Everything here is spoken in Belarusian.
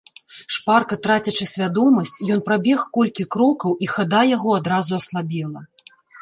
Шпарка трацячы свядомасць, ён прабег колькі крокаў, і хада яго адразу аслабела.